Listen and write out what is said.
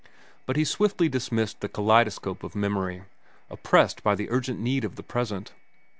But he swiftly dismissed the kaleidoscope of memory, oppressed by the urgent need of the present.